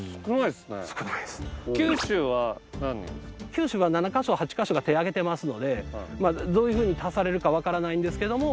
九州は７カ所８カ所が手挙げてますのでどういうふうに足されるか分からないんですけども。